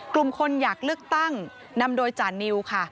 กลุ่มคนอยากเลือกตั้งนำโดยจานิวค่ะ